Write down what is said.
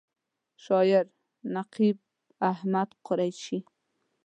شاعر: نقیب احمد قریشي